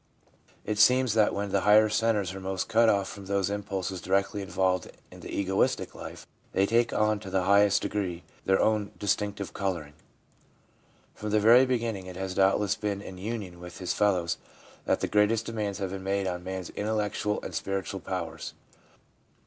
It seems that when the higher centres are most cut off from those impulses directly involved in the egoistic life, they take on to the highest degree their own distinctive colouring. From the very beginning it has doubtless been in union with his fellows that the greatest demands have been made on man's intellectual and spiritual powers.